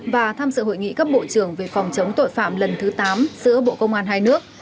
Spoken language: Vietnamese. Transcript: và tham dự hội nghị cấp bộ trưởng về phòng chống tội phạm lần thứ tám giữa bộ công an hai nước